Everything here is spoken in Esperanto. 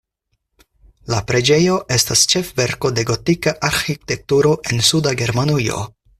La preĝejo estas ĉefverko de gotika arĥitekturo en suda Germanujo.